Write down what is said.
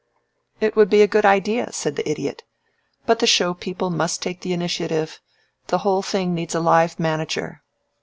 _" "It would be a good idea," said the Idiot. "But the show people must take the initiative. The whole thing needs a live manager."